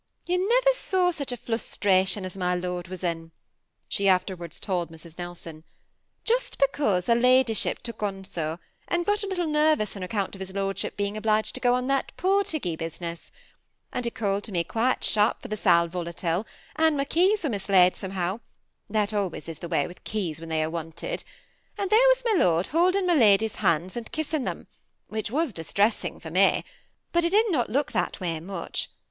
^ You never saw such a flustration as my lord was in," she afterwards told Mrs. Nelson, << just because her ladyship took on so, and got a little nervous on account of his lordship being obliged to go on that Portugee bus iness ; and he called to me quite sharp for the sal vola tile, and my keys were mislaid somehow, — that always is the way with keys when they are wanted ; and there was my lord holding my lady's hands and kissing them, which was distressing for me ; but I did not look that way much.